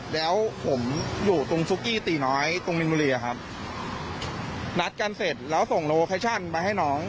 แล้วผมอยู่ตรงซุกี้ตีน้อยตรงมินบุรีอะครับนัดกันเสร็จแล้วส่งโลเคชั่นมาให้น้อง